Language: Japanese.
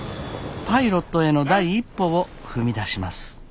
パイロットへの第一歩を踏み出します。